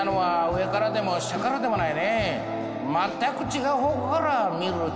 「上からでも下からでもない」。